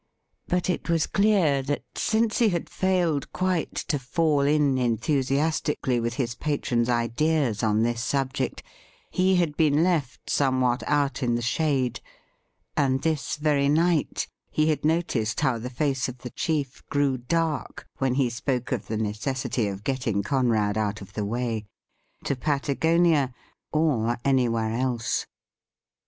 But it was clear that, since he had WHAT WALEY DID WITH HIMSELF 261 failed quite to fall in enthusiastically with his patron's ideas on this subject, he had been lefb somewhat out in the shade, and this very night he had noticed how the face of the chief grew dark when he spoke of the necessity of getting Conrad out of the way — ^to Patagonia, or any where else.